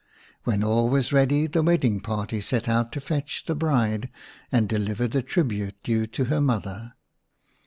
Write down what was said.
When all was ready the wedding party set out to fetch the bride and deliver the tribute due to her mother.